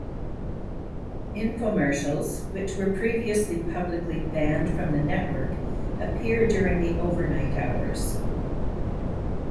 Infomercials, which were previously publicly banned from the network, appear during the overnight hours.